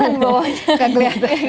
nggak kelihatan bawahnya